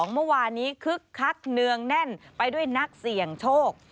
เมื่อวานนี้คึกคักเนืองแน่นไปด้วยนักเสี่ยงโชค